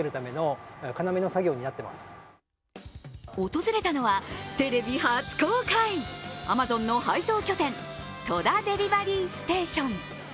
訪れたのは、テレビ初公開、Ａｍａｚｏｎの配送拠点、戸田デリバリーステーション。